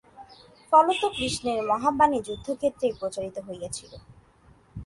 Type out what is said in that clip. ফলত কৃষ্ণের মহাবাণী যুদ্ধক্ষেত্রেই প্রচারিত হইয়াছিল।